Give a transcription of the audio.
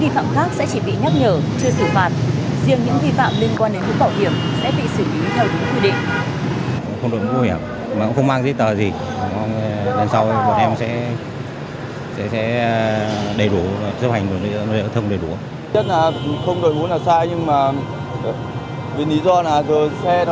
trong ngày hôm nay những lỗi vi phạm khác sẽ chỉ bị nhắc nhở chưa xử phạt